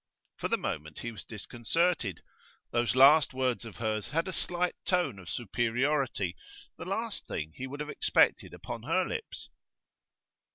For the moment he was disconcerted. Those last words of hers had a slight tone of superiority, the last thing he would have expected upon her lips.